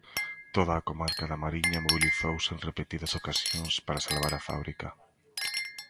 Toda a comarca da Mariña mobilizouse en repetidas ocasións para salvar a fábrica.